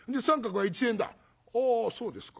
「はあそうですか。